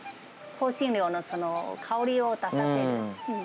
香辛料の香りを出させる。